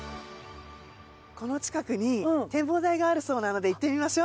この近くに展望台があるそうなので行ってみましょう。